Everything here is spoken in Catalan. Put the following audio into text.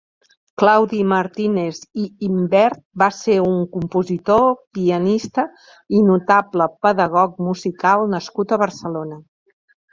Claudi Martínez i Imbert va ser un compositor, pianista i notable pedagog musical nascut a Barcelona.